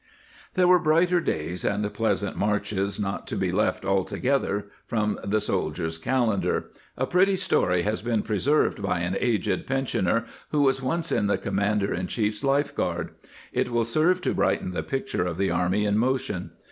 ^ There were brighter days and pleasant marches, not to be left altogether from the soldier's calen dar. A pretty story has been preserved by an aged pensioner who was once in the Command er in chief's life guard; it will serve to brighten the picture of the army in motion.